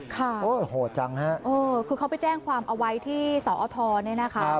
ค่ะคือเขาไปแจ้งความเอาไว้ที่สอธนี่นะครับครับ